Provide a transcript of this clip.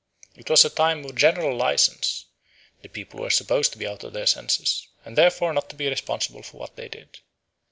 It was a time of general license; the people were supposed to be out of their senses, and therefore not to be responsible for what they did.